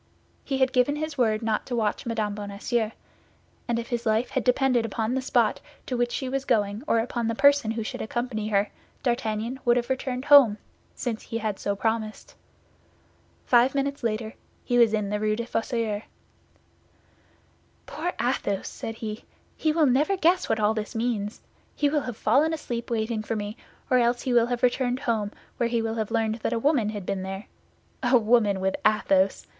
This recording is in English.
He had given his word not to watch Mme. Bonacieux, and if his life had depended upon the spot to which she was going or upon the person who should accompany her, D'Artagnan would have returned home, since he had so promised. Five minutes later he was in the Rue des Fossoyeurs. "Poor Athos!" said he; "he will never guess what all this means. He will have fallen asleep waiting for me, or else he will have returned home, where he will have learned that a woman had been there. A woman with Athos!